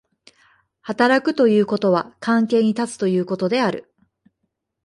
働くということは関係に立つということである。